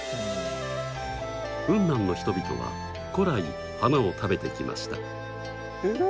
雲南の人々は古来花を食べてきました。